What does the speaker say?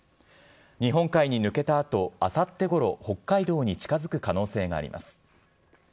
日本海に抜けたあと、あさってごろ、北海道に近づく可能性があります。